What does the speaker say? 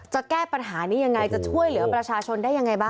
จะแก้ปัญหานี้ยังไงจะช่วยเหลือประชาชนได้ยังไงบ้าง